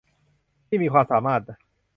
ที่มีความสามารถ